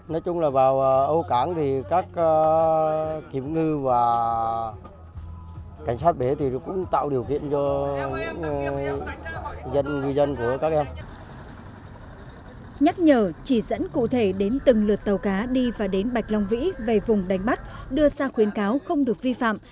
nhắc nhở chỉ dẫn cụ thể đến từng lượt tàu cá đi và đến bạch long vĩ về vùng đánh bắt đưa ra khuyến cáo không được vi phạm